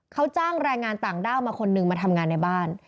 เขาจ้างแรงงานต่างด้าวมาคนนึงมาทำงานในบ้าน